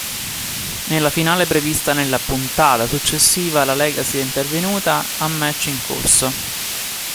Nella finale prevista nella puntata successiva la Legacy è intervenuta a match in corso.